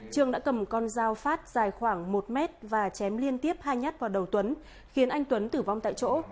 trương đã cầm con dao phát dài khoảng một mét và chém liên tiếp hai nhát vào đầu tuấn khiến anh tuấn tử vong tại chỗ